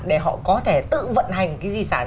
để họ có thể tự vận hành cái di sản